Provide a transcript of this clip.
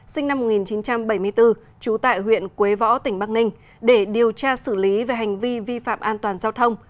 sinh năm một nghìn chín trăm bảy mươi bốn trú tại huyện quế võ tỉnh bắc ninh để điều tra xử lý về hành vi vi phạm an toàn giao thông